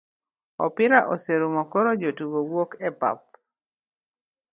Opira oserumo koro jotugo wuok e pap